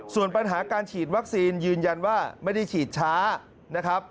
ส่วนปัญหาการฉีดวัคซีนยืนยันว่าไม่ได้ฉีดช้านะครับ